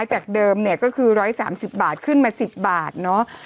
จากเดิมเนี้ยก็คือร้อยสามสิบบาทขึ้นมาสิบบาทเนอะ